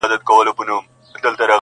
وروستۍ ورځ -